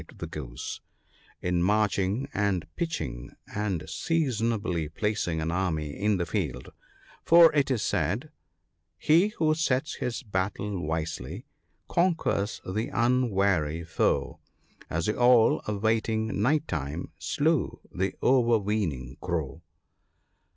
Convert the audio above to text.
129 the Goose, 'in marching and pitching, and seasonably placing an army in the field; for it is said, —" He who sets his battle wisely, conquers the unwary foe ; As the Owl, awaiting night time, slew the overweening Crow."